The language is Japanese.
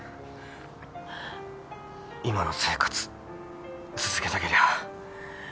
今の生活続けたけりゃ。